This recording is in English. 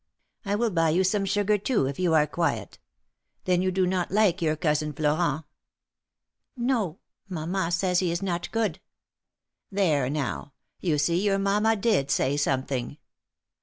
I will buy you some sugar, too, if you are quiet. Then you do not like your Cousin Florent ?" 236 THE MARKETS OF PARIS. JSTo ; mamma says he is not good." "There, now, you see your mamma did say some thing."